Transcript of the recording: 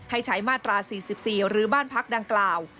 ให้ใช้มาตรา๔๔หรือบ้านพักดังกล่าว